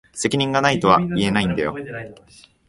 責任が無いとは言えないんだよ。